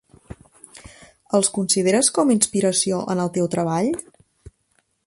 Els consideres com inspiració en el teu treball?